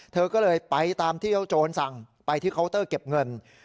เธอก็เลยไปตามที่เจ้าโจรสั่งไปที่เคาน์เตอร์เก็บเงิน